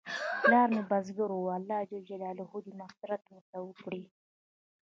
پلار مې بزګر و، الله ج دې مغفرت ورته وکړي